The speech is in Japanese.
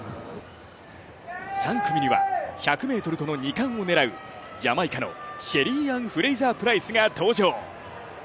３組には、１００ｍとの２冠を狙うジャマイカのシェリーアン・フレイザー・プライスが登場。